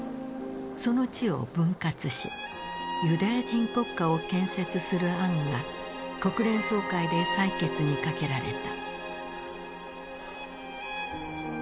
その地を分割しユダヤ人国家を建設する案が国連総会で採決にかけられた。